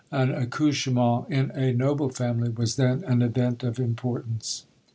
An accouchement in a noble family was then an event of importance.